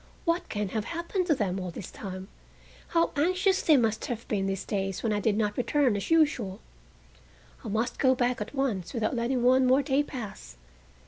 What can have happened to them all this time? How anxious they must have been these days when I did not return as usual. I must go back at once without letting one more day pass."